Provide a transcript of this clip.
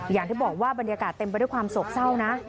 อย่างที่บอกว่าบรรยากาศเต็มไปด้วยความโศกเศร้านะ